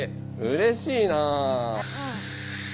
うれしいなぁ。